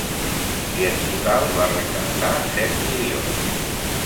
I en total, va recaptar set milions.